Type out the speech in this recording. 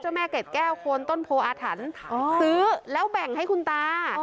แม่เกร็ดแก้วโคนต้นโพออาถรรพ์ซื้อแล้วแบ่งให้คุณตา